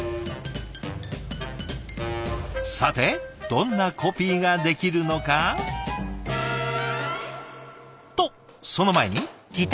さてどんなコピーができるのか？とその前に。